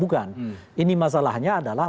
bukan ini masalahnya adalah